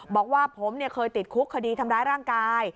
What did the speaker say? บอกว่าผมเคยติดคุกคดีทำร้ายร่างกาย